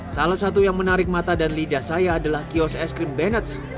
salah satu yang menarik mata dan lidah saya adalah kios es krim banets